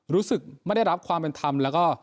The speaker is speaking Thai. รู้สึกไม่ได้รับความเป็นธรรมแล้วก็